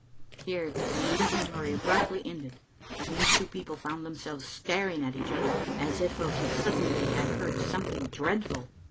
Here the inventory abruptly ended, and these two people found themselves staring at each other, as if of a sudden they had heard something dreadful.